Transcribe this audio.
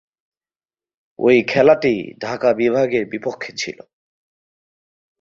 ঐ খেলাটি ঢাকা বিভাগের বিপক্ষে ছিল।